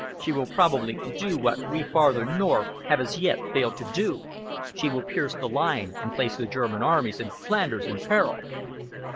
She will probably do what we farther north have as yet failed to do: she will pierce the line and place the German armies in Flanders in peril."